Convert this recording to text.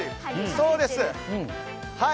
そうです！